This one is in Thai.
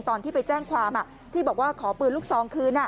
ตอนที่ไปแจ้งความที่บอกว่าขอปืนลูกซองคืน